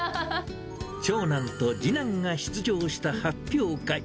長男と次男が出場した発表会。